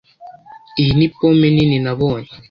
Iyi ni pome nini nabonye.